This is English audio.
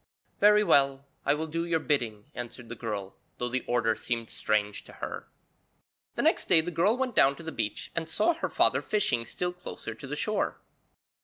'Very well, I will do your bidding,' answered the girl, though the order seemed strange to her. The next day the girl went down to the beach and saw her father fishing still closer to the shore.